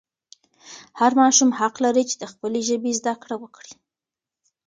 هر ماشوم حق لري چې د خپلې ژبې زده کړه وکړي.